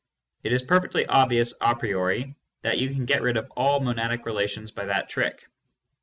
It is perfectly obvious a priori that you can get rid of all monadic relations by that trick.